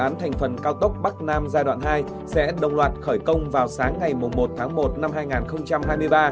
dự án thành phần cao tốc bắc nam giai đoạn hai sẽ đồng loạt khởi công vào sáng ngày một tháng một năm hai nghìn hai mươi ba